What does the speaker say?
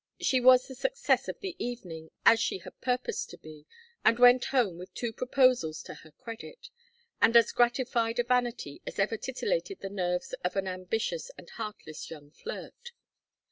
She was the success of the evening as she had purposed to be, and went home with two proposals to her credit, and as gratified a vanity as ever titillated the nerves of an ambitious and heartless young flirt.